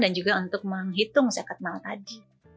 dan juga untuk menghitung zakat mal tadi